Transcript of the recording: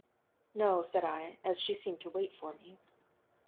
"No," said I, as she seemed to wait for me.